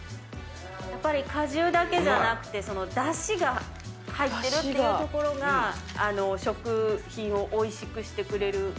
果汁だけじゃなくて出汁が入ってるところが食品をおいしくしてくれる。